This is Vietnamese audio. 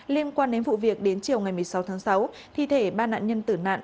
liên quan đến vụ việc đến chiều ngày một mươi sáu tháng sáu thi thể ba nạn nhân tử nạn